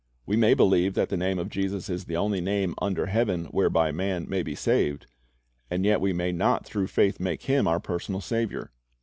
We may believe that the name of Jesus is the only name under heaven whereby man may be saved, and yet we may not through faith make Him our personal Saviour.